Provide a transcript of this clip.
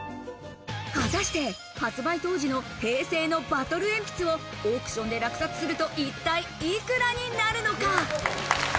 果たして発売当時の平成のバトルえんぴつをオークションで落札すると、一体幾らになるのか？